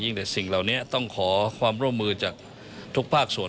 แต่สิ่งเหล่านี้ต้องขอความร่วมมือจากทุกภาคส่วน